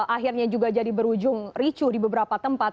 akhirnya juga jadi berujung ricu di beberapa tempat